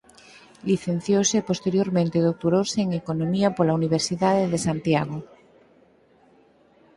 Licenciouse e posteriormente doutorouse en Economía pola Universidade de Santiago.